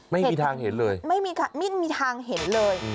ไม่มีทางเห็นเลยไม่มีทางเห็นเลย